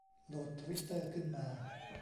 โหลดทวิตเตอร์ขึ้นมา